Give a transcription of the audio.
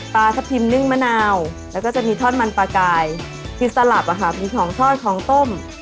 ปลาทับทิมนึ่งมะนาวแล้วก็จะมีทอดมันปลากายที่สลับมีของทอดของต้ม